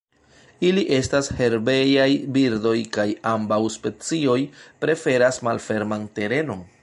Ili estas herbejaj birdoj kaj ambaŭ specioj preferas malferman terenon.